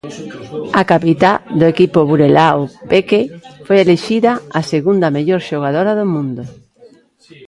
A capitá do equipo burelao, Peque, foi elixida a segunda mellor xogadora do mundo.